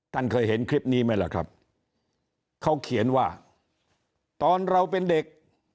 ท่านเคยเห็นคลิปนี้ไหมล่ะครับเขาเขียนว่าตอนเราเป็นเด็ก